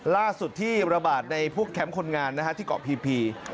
ล่าสุดที่ระบาดในพวกแคมป์คนงานที่เกาะพี